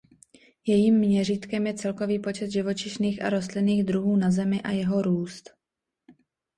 Jejím měřítkem je celkový počet živočišných a rostlinných druhů na Zemi a jeho růst.